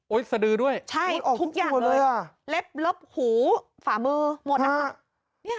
สดือด้วยใช่ทุกอย่างเลยอ่ะเล็บเล็บหูฝ่ามือหมดนะคะ